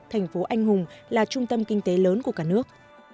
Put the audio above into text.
thành phố anh hùng là trung tâm kinh tế lớn của cả nước